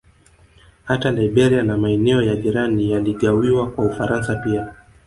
Hata Liberia na maeneo ya jirani yaligawiwa kwa Ufaransa pia